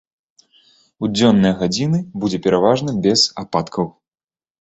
У дзённыя гадзіны будзе пераважна без ападкаў.